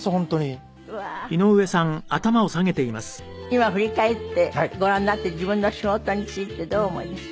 今振り返ってごらんになって自分の仕事についてどう思います？